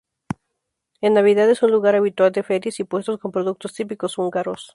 En Navidad es un lugar habitual de ferias y puestos con productos típicos húngaros.